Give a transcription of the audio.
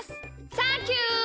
サンキュー！